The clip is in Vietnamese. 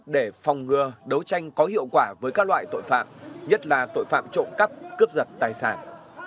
để phòng ngừa đấu tranh có hiệu quả với các loại tội phạm nhất là tội phạm trộm cắp cướp giật tài sản